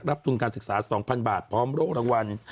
ทุนการศึกษา๒๐๐บาทพร้อมโรครางวัล